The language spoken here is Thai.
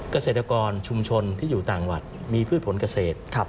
เกษตรกรชุมชนที่อยู่ต่างวัดมีพืชผลเกษตร